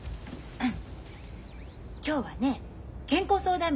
うん。